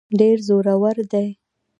ډېر زورور دی.